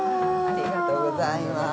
ありがとうございます。